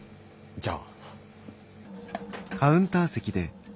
じゃあ。